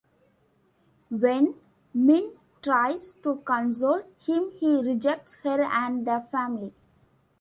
When "Min" tries to console him he rejects her and the family.